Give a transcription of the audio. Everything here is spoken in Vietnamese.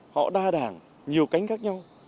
họ đa đảng nhiều cánh khác nhau